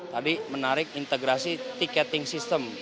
tadi menarik integrasi tiketing system